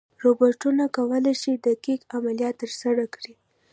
روبوټونه کولی شي دقیق عملیات ترسره کړي.